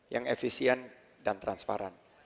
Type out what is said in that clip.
yang efisien dan transparan